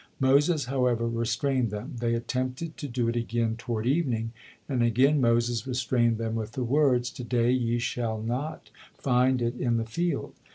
Moses, however, restrained them. They attempted to do it again toward evening, and again Moses restrained them with the words, "To day ye shall not find it in the field."